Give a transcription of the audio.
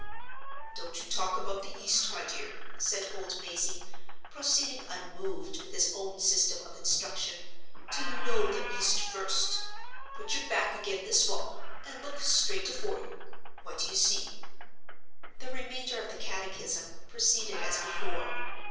"Don't you talk about the east, my dear," said old Mazey, proceeding unmoved with his own system of instruction, "till you know the east first. Put your back ag'in this wall, and look straight afore you. What do you see?" The remainder of the catechism proceeded as before.